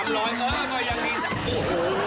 ๓ร้อยเออก็ยังมี๓แสน